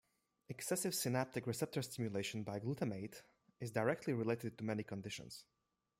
Excessive synaptic receptor stimulation by glutamate is directly related to many conditions.